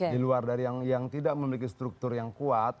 di luar dari yang tidak memiliki struktur yang kuat